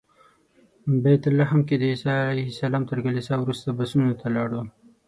بیت لحم کې د عیسی علیه السلام تر کلیسا وروسته بسونو ته لاړو.